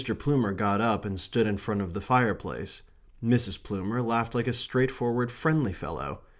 Plumer got up and stood in front of the fireplace. Mrs. Plumer laughed like a straightforward friendly fellow.